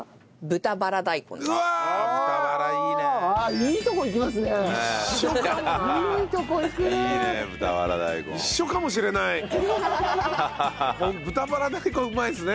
豚バラ大根うまいですね。